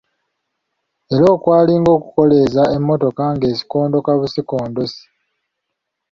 Era okwalinga okukoleeza emmotoka ng’esikondoka busikondosi.